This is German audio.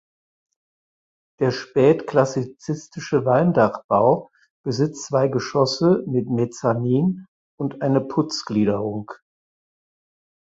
Der spätklassizistische Walmdachbau besitzt zwei Geschosse mit Mezzanin und eine Putzgliederung.